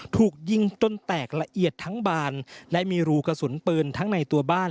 ถูกยิงจนแตกละเอียดทั้งบานและมีรูกระสุนปืนทั้งในตัวบ้าน